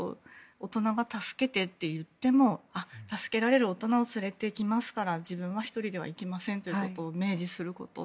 大人が助けてって言っても助けられる大人を連れてきますから自分は１人では行きませんということを明示すること。